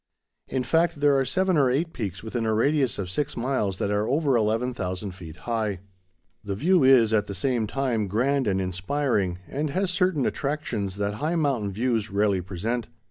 In fact there are seven or eight peaks within a radius of six miles that are over 11,000 feet high. The view is, at the same time, grand and inspiring, and has certain attractions that high mountain views rarely present.